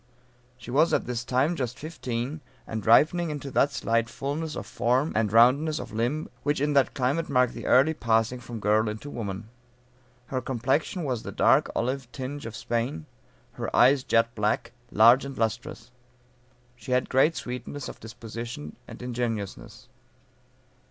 She was at this time just fifteen, and ripening into that slight fullness of form, and roundness of limb, which in that climate mark the early passing from girl into woman. Her complexion was the dark olive tinge of Spain; her eyes jet black, large and lustrous. She had great sweetness of disposition and ingenuousness.